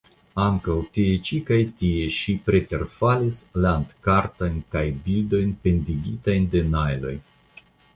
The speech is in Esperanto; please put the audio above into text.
Ankaŭ, tie ĉi kaj tie, ŝi preterfalis landkartojn kaj bildojn pendigitajn de najloj.